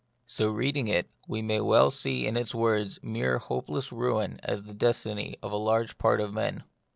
So reading it, we may well see in its words mere hopeless ruin as the destiny of a large part of men.